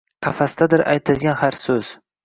Қафасдадир айтилган ҳар сўз